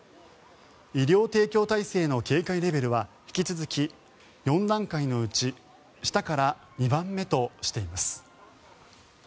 医療提供体制の警戒レベルは引き続き、４段階のうち下から２番目としています。